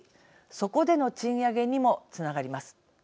そこでの賃上げにもつながります。